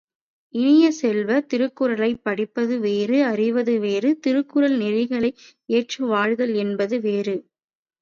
இனிய செல்வ, திருக்குறளைப் படிப்பது வேறு அறிவது வேறு திருக்குறள் நெறிகளை ஏற்று வாழ்தல் என்பது வேறு.